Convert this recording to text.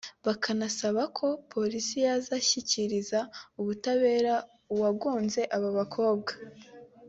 bakanasaba ko Polisi yazashyikiriza ubutabera uwagonze abo bakobwa